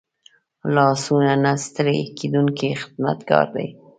لاسونه نه ستړي کېدونکي خدمتګار دي